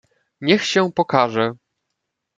"niech się pokaże!"